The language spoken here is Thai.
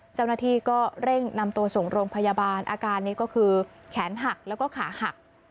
เจ้าหน้าที่ก็เร่งนำตัวส่งโรงพยาบาลอาการนี้ก็คือแขนหักแล้วก็ขาหัก